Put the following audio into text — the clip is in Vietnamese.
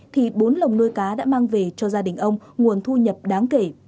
thì bốn lồng nuôi cá đã mang về cho gia đình ông nguồn thu nhập đáng kể